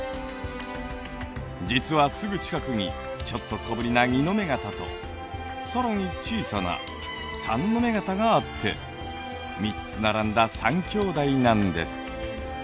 実はすぐ近くにちょっと小ぶりな二ノ目潟と更に小さな三ノ目潟があって３つ並んだ三きょうだいなんです。